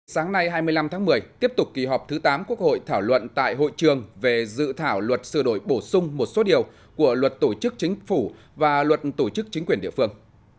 sáng nay hai mươi năm tháng một mươi tiếp tục kỳ họp thứ tám quốc hội thảo luận tại hội trường về dự thảo luật sửa đổi bổ sung một số điều của luật tổ chức chính phủ và luật tổ chức chính quyền địa phương